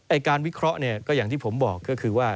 การวิเคราะห์เนี่ยก็อย่างที่ผมบอกก็คือว่า